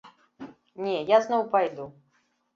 Не, я зноў пайду.